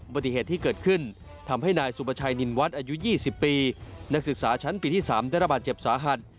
ปฏิเหตุที่เกิดขึ้นทำให้นายสุประชัยนินวัฒน์อายุ๒๐ปีนักศึกษาชั้นปีที่๓ได้ระบาดเจ็บสาหัส